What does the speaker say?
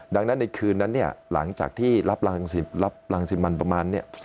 ดังนั้นในคืนนั้นเนี่ยหลังจากที่รับรางสิมันประมาณนี้